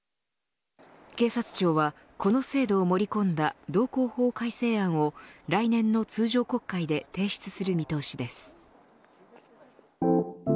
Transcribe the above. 警察庁は、この制度を盛り込んだ道交法改正案を来年の通常国会で提出する見通しです。